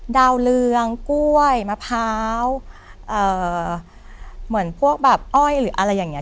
ดาวเรืองกล้วยมะพร้าวเหมือนพวกแบบอ้อยหรืออะไรอย่างนี้